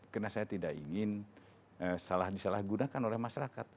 karena saya tidak ingin disalahgunakan oleh masyarakat